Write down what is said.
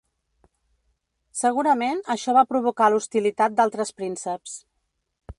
Segurament, això va provocar l'hostilitat d'altres prínceps.